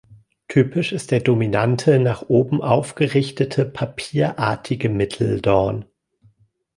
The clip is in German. Typisch ist der dominante, nach oben aufgerichtete, papierartige Mitteldorn.